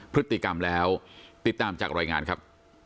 พฤติกรรมแล้วติดตามจากรายงานครับ